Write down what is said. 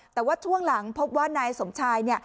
แต่ว่าช่วงหลังพบว่านายสมชายเนี่ย